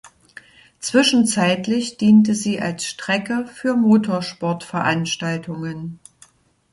Zwischenzeitlich diente sie als Strecke für Motorsportveranstaltungen.